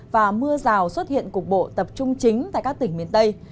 và mưa rào xuất hiện cục bộ tập trung chính tại các tỉnh miền tây